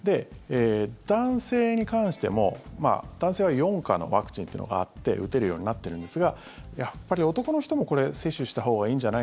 男性に関しても、男性は４価のワクチンというのがあって打てるようになってるんですがやっぱり男の人も接種したほうがいいんじゃない？